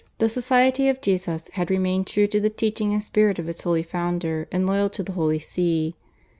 the Society of Jesus had remained true to the teaching and spirit of its holy founder and loyal to the Holy See.